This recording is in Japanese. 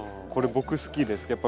これ僕好きです。